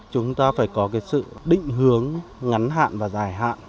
chúng ta phải có cái sự định hướng ngắn hạn và dài hạn